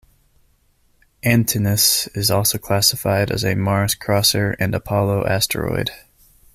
"Antinous" is also classified as a Mars-crosser and Apollo asteroid.